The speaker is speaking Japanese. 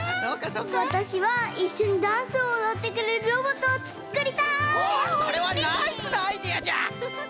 わたしはいっしょにダンスをおどってくれるロボットをつっくりたい！